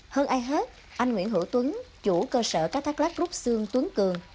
hơn ai hết anh nguyễn hữu tuấn chủ cơ sở cá thác lát rút xương tuấn cường